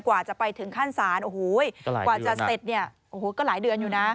กว่าจะไปถึงขั้นศาลกว่าจะเสร็จก็หลายเดือนอยู่นะ